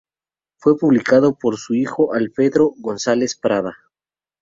Fue publicado por su hijo Alfredo González Prada.